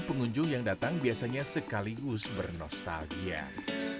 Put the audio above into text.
pengunjung yang datang biasanya sekaligus bernostalgia